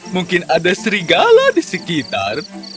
mungkin ada serigala di sekitar